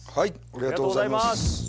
ありがとうございます。